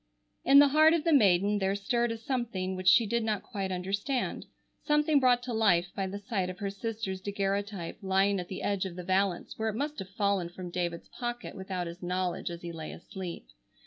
In the heart of the maiden there stirred a something which she did not quite understand, something brought to life by the sight of her sister's daguerreotype lying at the edge of the valence, where it must have fallen from David's pocket without his knowledge as he lay asleep.